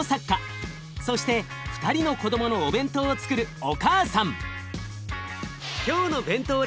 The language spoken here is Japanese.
そして２人の子どものお弁当をつくるお母さん。